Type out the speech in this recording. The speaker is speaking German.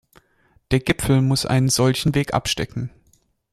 Der Gipfel muss einen solchen Weg abstecken.